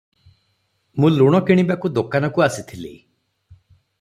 ମୁଁ ଲୁଣ କିଣିବାକୁ ଦୋକାନକୁ ଆସିଥିଲି ।